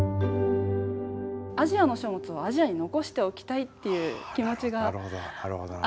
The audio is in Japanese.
アジアの書物はアジアに残しておきたいっていう気持ちがあったので。